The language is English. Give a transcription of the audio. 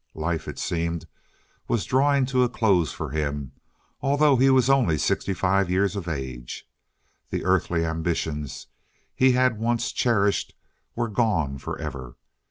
Life, it seemed, was drawing to a close for him, although he was only sixty five years of age. The earthly ambitions he had once cherished were gone forever.